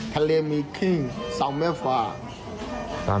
ทะเลมีขึ้น๒เมตรกว่า